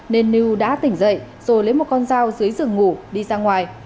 nên lưu đã tỉnh dậy rồi lấy một con dao dưới giường ngủ đi ra ngoài